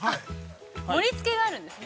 ◆盛りつけがあるんですね。